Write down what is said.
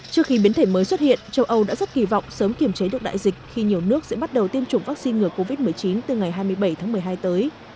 trước khi biến thể mới xuất hiện châu âu đã rất kỳ vọng sớm kiểm chế được đại dịch khi nhiều nước sẽ bắt đầu tiêm chủng vaccine ngừa covid một mươi chín từ ngày hai mươi bảy tháng một mươi hai tới